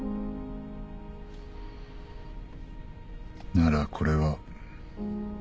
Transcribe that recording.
ならこれは。